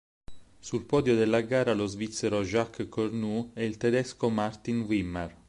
Sul podio della gara lo svizzero Jacques Cornu e il tedesco Martin Wimmer.